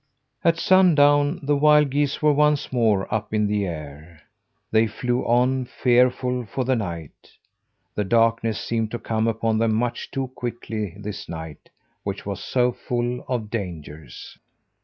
At sundown the wild geese were once more up in the air. They flew on fearful for the night. The darkness seemed to come upon them much too quickly this night which was so full of dangers.